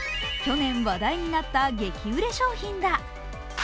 去年話題になった激売れ商品だ。